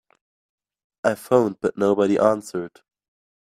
I phoned but nobody answered.